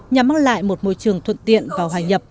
nhằm mang lại một môi trường thuận tiện và hòa nhập